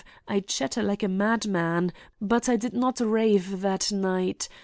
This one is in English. I chatter like a madman; but I did not rave that night.